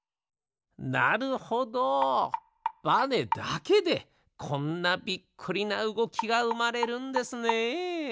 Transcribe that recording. なるほどバネだけでこんなびっくりなうごきがうまれるんですね。